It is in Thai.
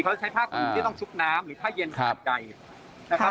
ใช้ผ้าคลุมที่ต้องชุบน้ำหรือผ้าเย็นขาดใจนะครับ